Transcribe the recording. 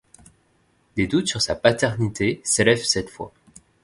Des doutes sur sa paternité s'élèvent cette fois.